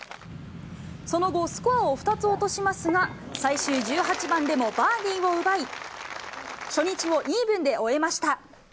その後、スコアを２つ落としますが、最終１８番でもバーディーを奪い、初日をイーブンで終えました。